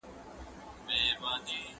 سالم ذهن ستړیا نه زیاتوي.